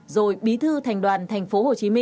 rồi bí thư thành đoàn tp hcm